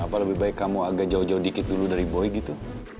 apa lebih baik kamu agak jauh jauh dikit dulu dari boy gitu